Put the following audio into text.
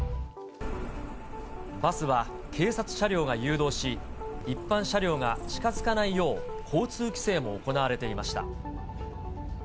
バスは警察車両が誘導し、一般車両が近づかないよう交通規制も行われていました。